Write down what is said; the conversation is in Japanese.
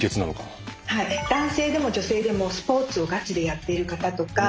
男性でも女性でもスポーツをガチでやっている方とか。